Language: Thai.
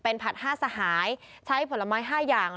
เป็นผัด๕สหายใช้ผลไม้๕อย่าง